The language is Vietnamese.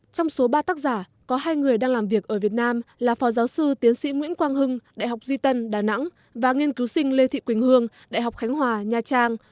trong số ba tác giả có hai người đang làm việc ở việt nam là phó giáo sư tiến sĩ nguyễn quang hưng đại học duy tân đà nẵng và nghiên cứu sinh lê thị quỳnh hương đại học khánh hòa nha trang